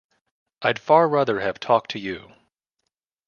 I’d far rather have talked to you.